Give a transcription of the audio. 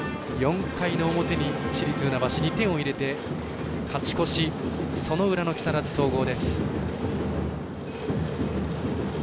４回の表に、市立船橋２点を入れて勝ち越し、その裏の木更津総合。